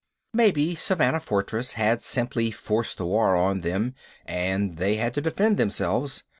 Maybe Savannah Fortress had simply forced the war on them and they had to defend themselves.